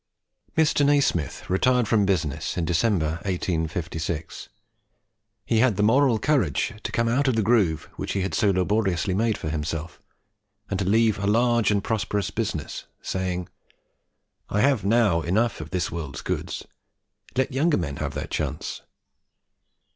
Mr. Nasmyth retired from business in December, 1856. He had the moral courage to come out of the groove which he had so laboriously made for himself, and to leave a large and prosperous business, saying, "I have now enough of this world's goods; let younger men have their chance."